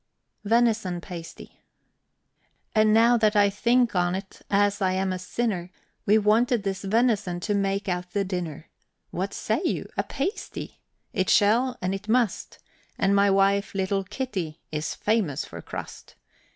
VENISON PASTY. And now that I think on't, as I am a sinner! We wanted this venison to make out the dinner. What say you? a pasty! it shall and it must, And my wife, little Kitty, is famous for crust.